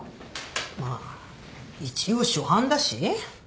まあ一応初犯だし？